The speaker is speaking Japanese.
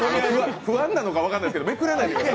不安なのか分からんですけど、めくらないでください。